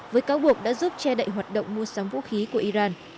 với cáo buộc đã giúp che đậy hoạt động mua sắm vũ khí của iran